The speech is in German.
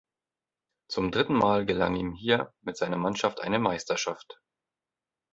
Zum dritten Mal gelang ihm hier mit seiner Mannschaft eine Meisterschaft.